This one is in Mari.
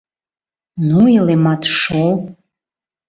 Ну илемат шол!